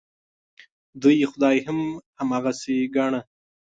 دوی خدای هم هماغسې ګاڼه.